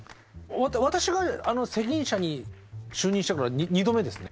私が責任者に就任してから２度目ですね。